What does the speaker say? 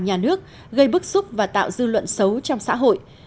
nhà nước gây bức xúc và tạo dư luận xấu trong xã hội